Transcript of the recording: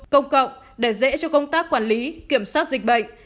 công cộng để dễ cho công tác quản lý kiểm soát dịch bệnh